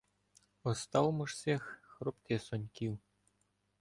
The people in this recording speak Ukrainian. Оставмо ж сих хропти соньків.